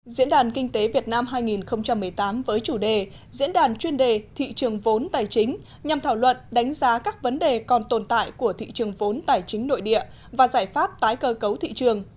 diễn đàn kinh tế việt nam hai nghìn một mươi tám với chủ đề diễn đàn chuyên đề thị trường vốn tài chính nhằm thảo luận đánh giá các vấn đề còn tồn tại của thị trường vốn tài chính nội địa và giải pháp tái cơ cấu thị trường